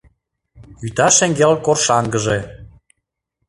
Вӱта шеҥгел коршаҥгыже